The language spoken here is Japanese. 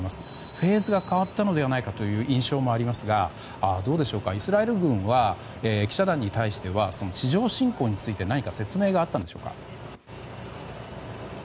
フェーズが変わったのではないかという印象もありますがイスラエル軍は記者団に対して地上作戦について何か説明があったんでしょうか。